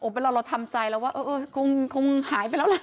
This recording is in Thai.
เป็นเราเราทำใจแล้วว่าคงหายไปแล้วล่ะ